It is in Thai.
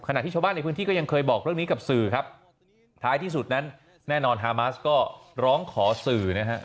ที่ชาวบ้านในพื้นที่ก็ยังเคยบอกเรื่องนี้กับสื่อครับท้ายที่สุดนั้นแน่นอนฮามาสก็ร้องขอสื่อนะครับ